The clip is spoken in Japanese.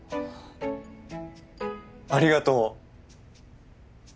ありがとう！